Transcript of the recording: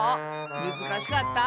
むずかしかった？